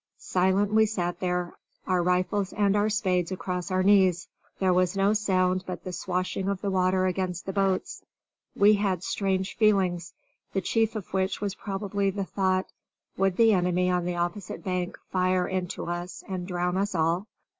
Silent we sat there, our rifles and our spades across our knees. There was no sound but the swashing of the water against the boats. We had strange feelings, the chief of which was probably the thought: Would the enemy on the opposite bank fire into us and drown us all?